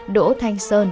đỗ thanh sơn